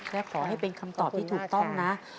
และขอให้เป็นคำตอบที่ถูกต้องนะ